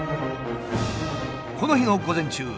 この日の午前中